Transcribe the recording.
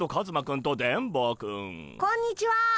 こんにちは。